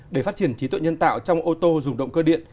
để phát triển trí tuệ nhân tạo trong ô tô dùng động cơ điện